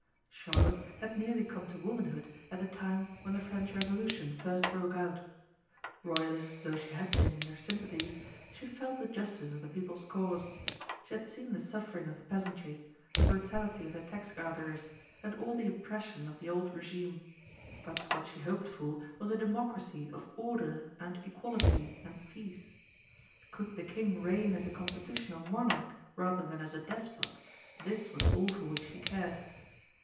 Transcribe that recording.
Charlotte had nearly come to womanhood at the time when the French Revolution first broke out. Royalist though she had been in her sympathies, she felt the justice of the people's cause. She had seen the suffering of the peasantry, the brutality of the tax gatherers, and all the oppression of the old regime. But what she hoped for was a democracy of order and equality and peace. Could the king reign as a constitutional monarch rather than as a despot, this was all for which she cared.